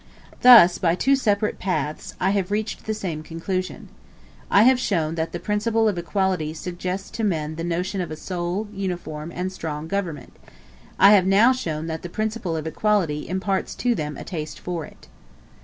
Thus, by two separate paths, I have reached the same conclusion. I have shown that the principle of equality suggests to men the notion of a sole, uniform, and strong government: I have now shown that the principle of equality imparts to them a taste for it.